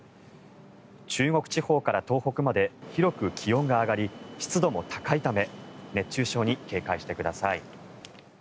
中国地方から東北まで広く気温が上がり湿度も高いため熱中症に警戒してください。